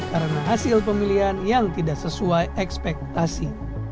karena hasil pemilihan yang tidak sesuai ekspektasi